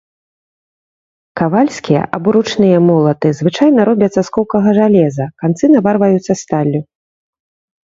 Кавальскія, або ручныя молаты звычайна робяцца з коўкага жалеза, канцы наварваюцца сталлю.